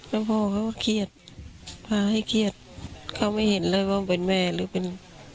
แล้วพ่อเขาก็เครียดพาให้เครียดเขาไม่เห็นเลยว่าเป็นแม่หรือเป็น